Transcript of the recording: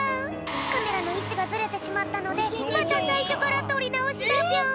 カメラのいちがずれてしまったのでまたさいしょからとりなおしだぴょん。